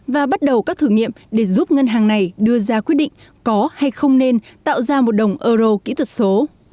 và bắt đầu các thử nghiệm để giúp ngân hàng này đưa ra quyết định có hay không nên tạo ra một đồng euro kỹ thuật số